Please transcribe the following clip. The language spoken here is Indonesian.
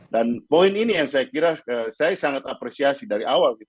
dan poin ini yang saya kira saya sangat apresiasi dari awal